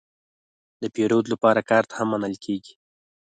د پیرود لپاره کارت هم منل کېږي.